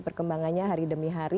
perkembangannya hari demi hari